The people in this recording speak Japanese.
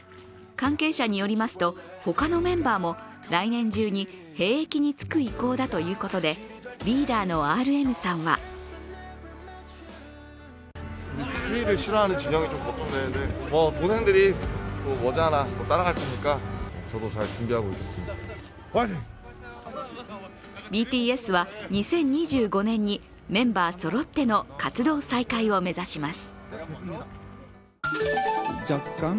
関係者によりますと他のメンバーも来年中に兵役につく意向だということでリーダーのＲＭさんはＢＴＳは２０２５年にメンバーそろっての活動再開を目指します。